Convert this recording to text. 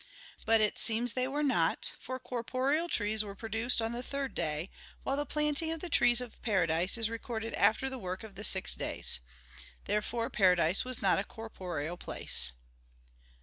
But it seems they were not; for corporeal trees were produced on the third day, while the planting of the trees of paradise is recorded after the work of the six days. Therefore paradise was not a corporeal place.